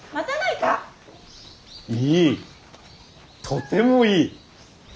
いいとてもいい。